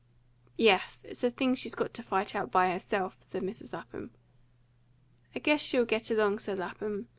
"Yes; it's a thing she's got to fight out by herself," said Mrs Lapham. "I guess she'll get along," said Lapham.